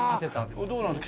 どうなんです？